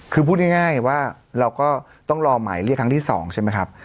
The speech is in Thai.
คือพูดง่ายว่าเราก็ต้องรอหมายเรียกครั้งที่๒ใช่ไหมครับ